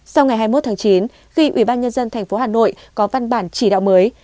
sau ngày hai mươi một tháng chín khi ủy ban nhân dân tp hà nội có văn bản chỉ đạo mới